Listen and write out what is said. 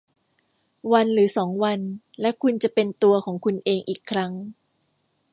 วันหรือสองวันและคุณจะเป็นตัวของคุณเองอีกครั้ง